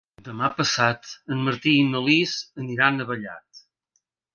Demà passat en Martí i na Lis aniran a Vallat.